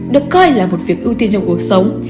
được coi là một việc ưu tiên trong cuộc sống